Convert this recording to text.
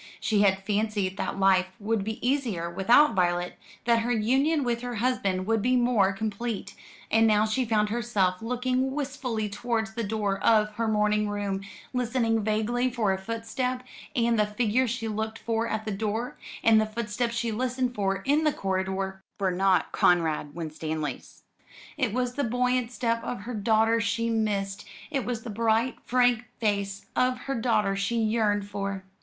She had fancied that life would be easier without Violet; that her union with her husband would be more complete; and now she found herself looking wistfully towards the door of her morning room, listening vaguely for a footstep; and the figure she looked for at the door, and the footsteps she listened for in the corridor were not Conrad Winstanley's. It was the buoyant step of her daughter she missed; it was the bright frank face of her daughter she yearned for.